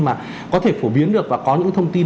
mà có thể phổ biến được và có những thông tin